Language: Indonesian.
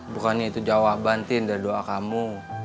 bukannya itu jawaban tin dari doa kamu